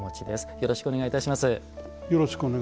よろしくお願いします。